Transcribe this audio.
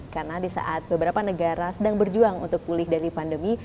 karena di saat beberapa negara sedang berjuang untuk pulih dari pandemi